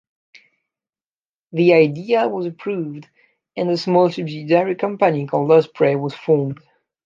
The idea was approved and a small subsidiary company called Osprey was formed.